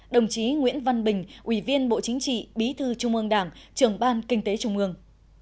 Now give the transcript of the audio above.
đồng chí nguyễn văn bình ủy viên bộ chính trị bí thư trung ương đảng trưởng ban kinh tế trung ương